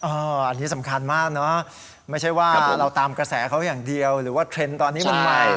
อันนี้สำคัญมากเนอะไม่ใช่ว่าเราตามกระแสเขาอย่างเดียวหรือว่าเทรนด์ตอนนี้มันใหม่